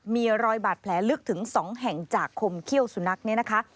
มีรอยบาดแผลลึกถึง๒แห่งจากคมเขี้ยวสุนัขเนี่ยนะคะ